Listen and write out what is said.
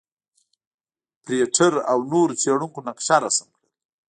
فرېټر او نورو څېړونکو نقشه رسم کړل.